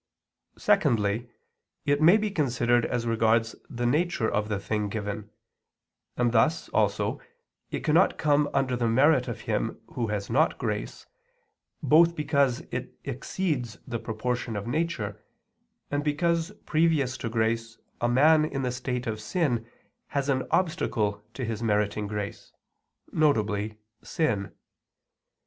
Secondly, it may be considered as regards the nature of the thing given, and thus, also, it cannot come under the merit of him who has not grace, both because it exceeds the proportion of nature, and because previous to grace a man in the state of sin has an obstacle to his meriting grace, viz. sin.